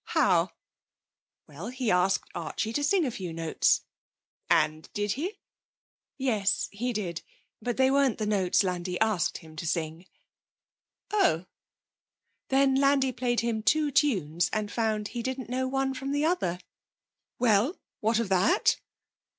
'How?' 'Well, he asked Archie to sing a few notes.' 'And did he?' 'Yes, he did. But they weren't the notes Landi asked him to sing.' 'Oh!' 'Then Landi played him two tunes, and found he didn't know one from the other.' 'Well, what of that?'